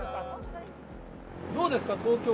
どうですか？